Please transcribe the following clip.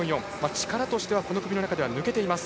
力としてはこの組の中で抜けています。